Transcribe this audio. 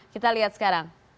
kita lihat sekarang